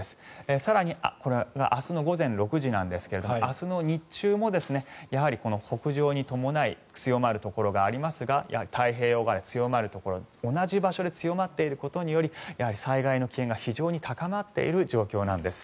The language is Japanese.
更に明日の午前６時なんですが明日の日中もやはり北上に伴い強まるところがありますが太平洋側で強まるところ同じ場所で強まっていることにより災害の危険性が非常に高まっている状況なんです。